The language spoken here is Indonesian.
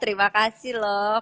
terima kasih loh